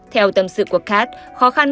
theo tâm sự của kat khó khăn